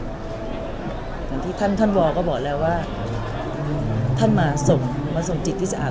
อย่างที่ท่านท่านวอลก็บอกแล้วว่าท่านมาส่งมาส่งจิตที่สะอาด